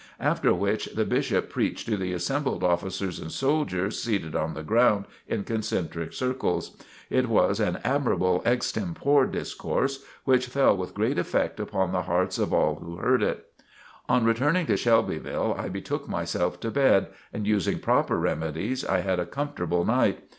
After which the Bishop preached to the assembled officers and soldiers seated on the ground in concentric circles. It was an admirable extempore discourse which fell with great effect upon the hearts of all who heard it. On returning to Shelbyville, I betook myself to bed, and using proper remedies, I had a comfortable night.